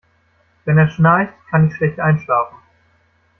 Wenn er schnarcht, kann ich schlecht einschlafen.